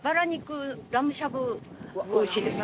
おいしいですよ。